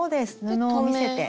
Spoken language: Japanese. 布を見せて。